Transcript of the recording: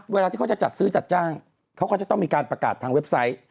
เวลาที่เขาจะจัดซื้อจัดจ้างเขาก็จะต้องมีการประกาศทางเว็บไซต์